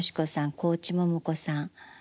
河内桃子さん